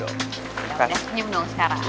udah kalian senyum dong sekarang